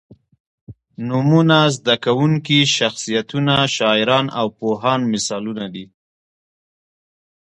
نومونه، زده کوونکي، شخصیتونه، شاعران او پوهان مثالونه دي.